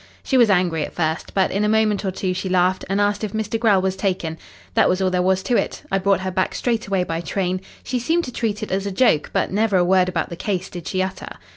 She was angry at first, but in a moment or two she laughed, and asked if Mr. Grell was taken. That was all there was to it. I brought her back straight away by train. She seemed to treat it as a joke, but never a word about the case did she utter."